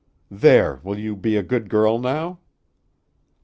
There! Will you be a good girl now?"